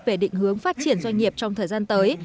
về định hướng phát triển doanh nghiệp trong thời gian tới